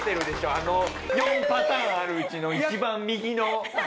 あの４パターンあるうちの一番右の。